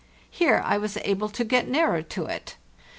Here I was able to get nearer to it.